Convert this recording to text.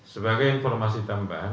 sebagai informasi tambahan